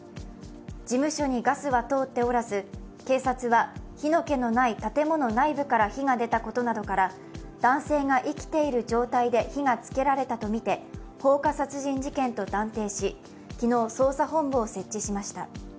事務所にガスは通っておらず、警察は火の気のない建物内部から火が出たことから、男性が生きている状態で火がつけられたとみて放火殺人事件と断定し昨日捜査本部を設置しました。